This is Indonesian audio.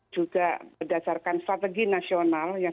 juga berdasarkan strategi nasional